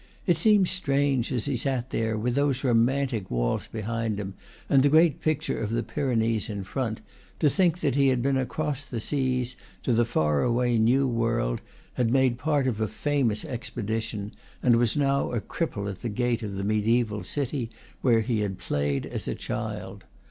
It seemed strange, as he sat there, with those romantic walls behind him and the great picture of the Pyrenees in front, to think that he had been across the seas to the far away new world, had made part of a famous expedition, and was now a cripple at the gate of the mediaeval city where he had played as a child.